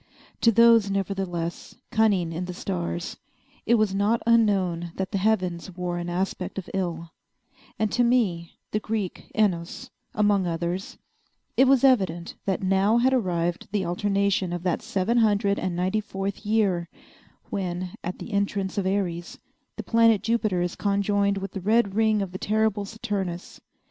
To those, nevertheless, cunning in the stars, it was not unknown that the heavens wore an aspect of ill; and to me, the Greek Oinos, among others, it was evident that now had arrived the alternation of that seven hundred and ninety fourth year when, at the entrance of Aries, the planet Jupiter is conjoined with the red ring of the terrible Saturnus.